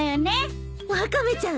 ワカメちゃん